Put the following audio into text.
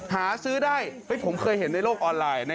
หาซื้อได้ผมเคยเห็นในโลกออนไลน์